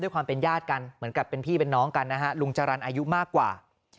ความเป็นญาติกันเหมือนกับเป็นพี่เป็นน้องกันนะฮะลุงจรรย์อายุมากกว่า